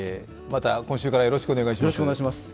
また今週からよろしくお願いします。